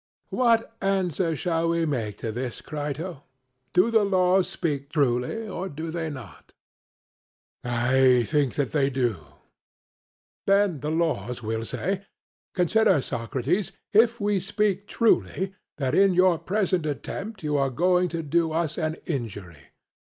What answer shall we make to this, Crito? Do the laws speak truly, or do they not? CRITO: I think that they do. SOCRATES: Then the laws will say: 'Consider, Socrates, if we are speaking truly that in your present attempt you are going to do us an injury.